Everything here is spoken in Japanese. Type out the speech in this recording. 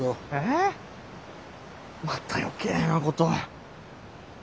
えまた余計なことを。